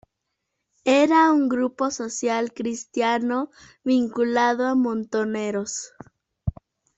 Era un grupo social cristiano, vinculado a Montoneros.